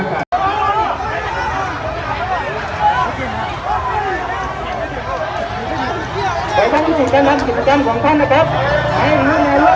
การกระทั่งของท่านถูกมึงนะครับ